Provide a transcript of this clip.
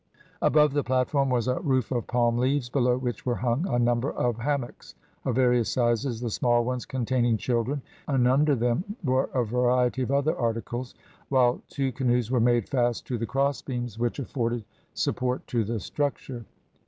Above the platform was a roof of palm leaves, below which were hung a number of hammocks, of various sizes, the small ones containing children, and under them were a variety of other articles, while two canoes were made fast to the crossbeams which afforded support to the structure.